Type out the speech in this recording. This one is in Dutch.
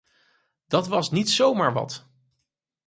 Dat was niet zo maar wat.